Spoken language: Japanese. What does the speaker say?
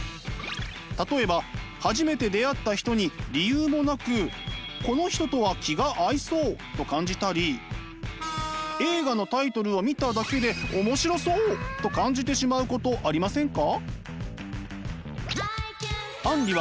例えば初めて出会った人に理由もなくこの人とは気が合いそう！と感じたり映画のタイトルを見ただけで面白そう！と感じてしまうことありませんか？